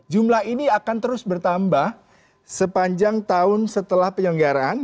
jumlah ini akan terus bertambah sepanjang tahun setelah penyelenggaraan